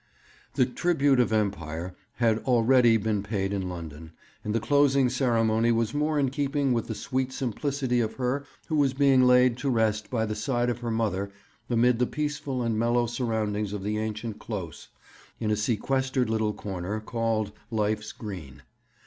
The tribute of Empire had already been paid in London, and the closing ceremony was more in keeping with the sweet simplicity of her who was being laid to rest by the side of her mother amid the peaceful and mellow surroundings of the ancient Close, in a sequestered little corner called 'Life's Green.'